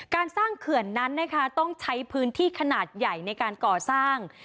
การสร้างเขื่อนนั้นนะคะต้องใช้พื้นที่ขนาดใหญ่ในการก่อสร้าง